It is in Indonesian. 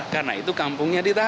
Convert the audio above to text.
karena itu kampungnya ditata